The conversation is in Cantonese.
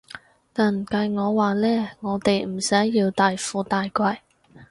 但計我話呢，我哋唔使要大富大貴